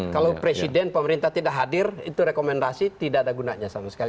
kalau presiden pemerintah tidak hadir itu rekomendasi tidak ada gunanya sama sekali